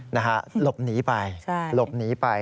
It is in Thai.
หลบหนีไปหลบหนีไป